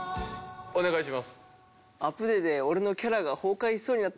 お願いします。